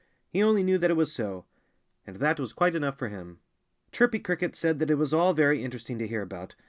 He only knew that it was so. And that was quite enough for him. Chirpy Cricket said that it was all very interesting to hear about.